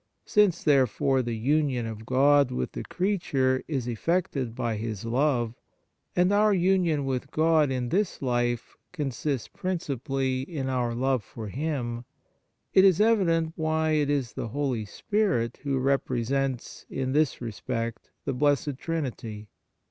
Since therefore the union of God with the creature is effected by His love, and our union with God in this life consists princi pally in our love for Him, it is evident 45 THE MARVELS OF DIVINE GRACE why it is the Holy Spirit who represents in this respect the Blessed Trinity.